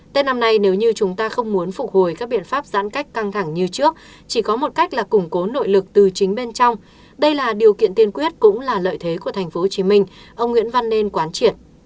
tết năm nay nếu như chúng ta không muốn phục hồi các biện pháp giãn cách căng thẳng như trước chỉ có một cách là củng cố nội lực từ chính bên trong đây là điều kiện tiên quyết cũng là lợi thế của tp hcm ông nguyễn văn nên quán triệt